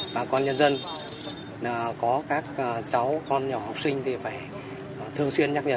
bà con nhân dân có các cháu con nhỏ học sinh thì phải thường xuyên nhắc nhở